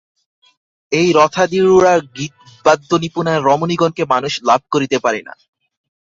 এই রথাধিরূঢ়া গীতবাদ্যনিপুণা রমণীগণকে মানুষ লাভ করিতে পারে না।